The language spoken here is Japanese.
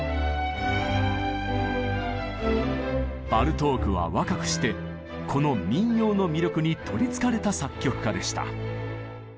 バルトークは若くしてこの民謡の魅力に取りつかれた作曲家でした。